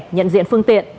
nhận diện phương tiện